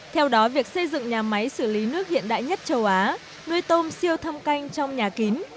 theo đó việc xây dựng nhà máy xử lý nước hiện đại nhất châu á nuôi tôm siêu thâm canh trong nhà kín